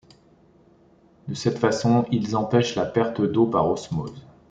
De cette façon, ils empêchent la perte d'eau par osmose.